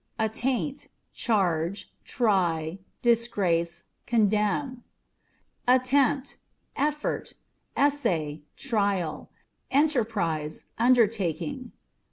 Attaint â€" charge, try, disgrace, condemn. Attemptâ€" effort ; essay, trial ; enterprise, undertaking.